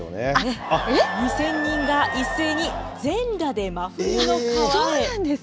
２０００人が一斉に、全裸で真冬の川へ。